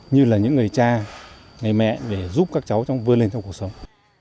như là những người cha người mẹ để giúp các cháu trong vươn lên trong cuộc sống